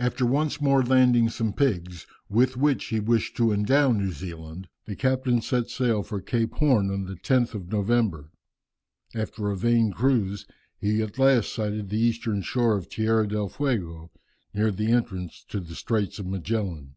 After once more landing some pigs, with which he wished to endow New Zealand, the captain set sail for Cape Horn on the 10th of November. After a vain cruise, he at last sighted the eastern shore of Tierra del Fuego, near the entrance to the Straits of Magellan.